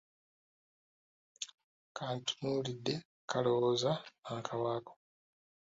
Kantunuulidde kalowooza nnaakawaako.